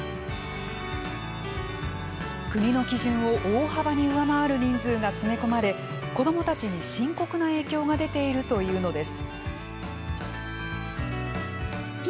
国の基準を大幅に上回る人数が詰め込まれ子どもたちに深刻な影響が出ているというのです。